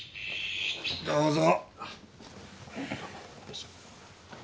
どうぞ。